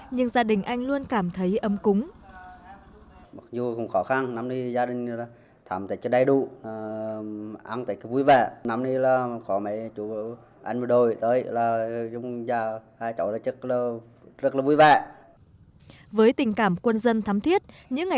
nhưng gia đình anh luôn cảm thấy ấm cúng